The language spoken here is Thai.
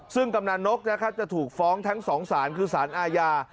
ซึ่งกำนันนกนะครับจะถูกฟ้องทั้ง๒สารคือสารอาญา